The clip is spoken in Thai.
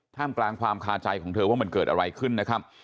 ท่ามกลางความคาใจของเธอว่ามันเกิดอะไรขึ้นนะครับ